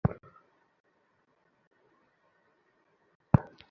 কিন্তু এত আকাঙক্ষা, এত নির্ভর তো ভালো নয়।